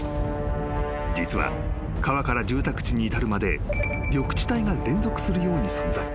［実は川から住宅地に至るまで緑地帯が連続するように存在］